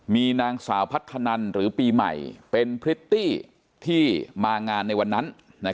มีนางสาวพัฒนันหรือปีใหม่เป็นพริตตี้ที่มางานในวันนั้น